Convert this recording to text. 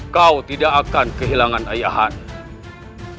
kau tidak akan kehilangan ayahan